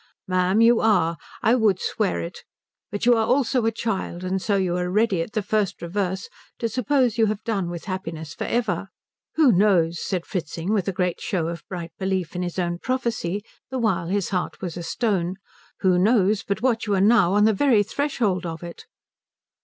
"Ma'am, you are. I would swear it. But you are also a child, and so you are ready at the first reverse to suppose you have done with happiness for ever. Who knows," said Fritzing with a great show of bright belief in his own prophecy, the while his heart was a stone, "who knows but what you are now on the very threshold of it?"